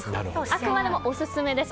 あくまでもオススメです。